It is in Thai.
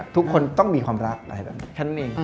ทุกคนต้องมีความรัก